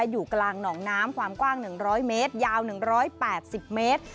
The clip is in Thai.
อยู่กลางหนองน้ำความกว้าง๑๐๐เมตรยาว๑๘๐เมตร